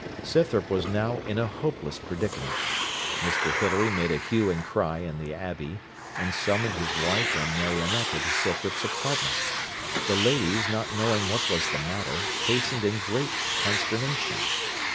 Scythrop was now in a hopeless predicament. Mr Hilary made a hue and cry in the abbey, and summoned his wife and Marionetta to Scythrop's apartment. The ladies, not knowing what was the matter, hastened in great consternation.